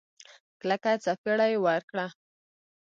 کلکه سپېړه يې ورکړه.